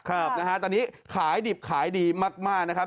ตอนนี้ขายดิบขายดีมากนะครับ